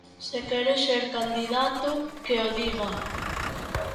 Se quere ser candidato, que o diga.